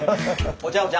お茶お茶！